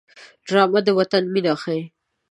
ډرامه د وطن مینه ښيي